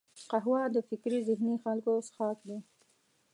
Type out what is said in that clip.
قهوه د فکري ذهیني خلکو څښاک دی